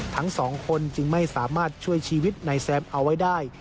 ทั้งสองคนจึงไม่สามารถช่วยชีวิตนายแซมเอาไว้ได้